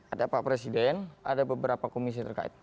ada pak presiden ada beberapa komisi terkait